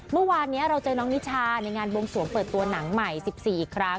เมื่อวานนี้เราเจอน้องนิชาในงานบวงสวงเปิดตัวหนังใหม่๑๔อีกครั้ง